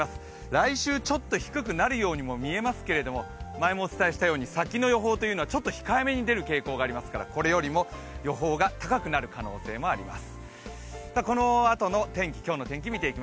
来週、ちょっと低くなるようにみえますけれども前もお伝えしたように、先の予報はちょっと控えめに出ることがありますからこれよりも予報が高くなる可能性もあります。